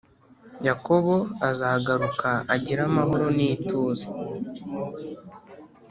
Yakobo azagaruka agire amahoro n ituze